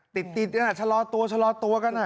ติดติดนี่แล้วบางทีชะลอตัวก็น่ะ